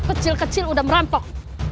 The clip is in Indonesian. kecil kecil udah merampok